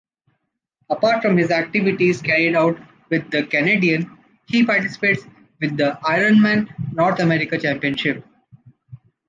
Apart from his activities carried out with the Canadian, he participates in the Ironman North American championship.